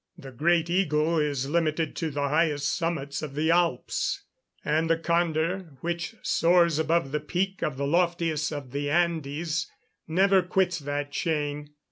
The great eagle is limited to the highest summits of the Alps; and the condor, which soars above the peak of the loftiest of the Andes, never quits that chain.